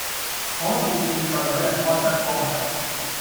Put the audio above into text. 可是現在有人看不過眼